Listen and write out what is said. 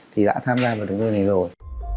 thì đã tham gia vào đường đường này rồi